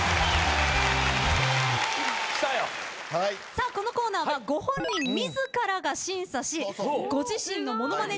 さあこのコーナーはご本人自らが審査しご自身のモノマネ